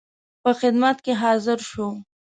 په خدمت کې حاضر شو.